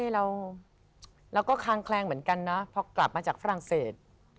เราก็คางแคลงเหมือนกันนะพอกลับมาจากฝรั่งเศส